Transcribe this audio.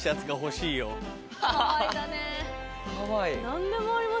何でもあります。